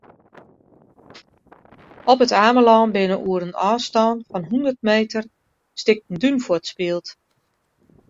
Op It Amelân binne oer in ôfstân fan hûndert meter stikken dún fuortspield.